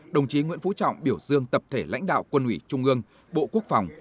đồng chí nguyễn phú trọng biểu dương tập thể lãnh đạo quân ủy trung ương bộ quốc phòng